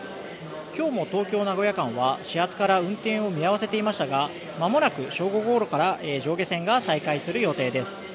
今日も東京名古屋間は始発から運転を見合わせていましたがまもなく正午ごろから上下線が再開する予定です。